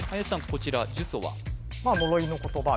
こちら呪詛は？